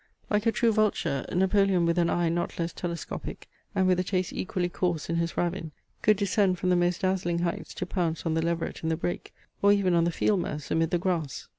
Like a true vulture , Napoleon with an eye not less telescopic, and with a taste equally coarse in his ravin, could descend from the most dazzling heights to pounce on the leveret in the brake, or even on the field mouse amid the grass.